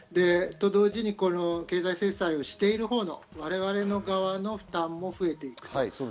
と同時に、この経済制裁をしているほうの我々の側の負担も増えていく。